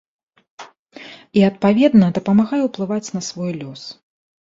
І, адпаведна, дапамагае ўплываць на свой лёс.